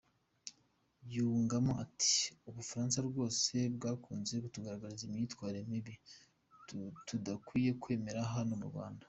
Yungamo ati “U Bufaransa rwose bwakunze kutugaragariza imyitwarire mibi tudakwiye kwemera hano mu Rwanda.